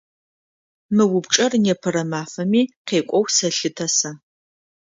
Мы упчӏэр непэрэ мафэми къекӏоу сэлъытэ сэ.